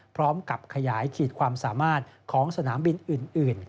พร้อมกับขยายขีดความสามารถของสนามบินอื่น